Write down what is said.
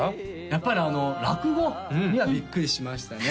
やっぱり落語にはビックリしましたね